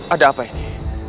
ada apa ini